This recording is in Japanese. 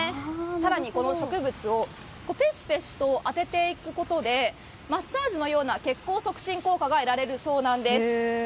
更に、この植物をぺしぺしと当てていくことでマッサージのような血行促進効果得られるそうなんです。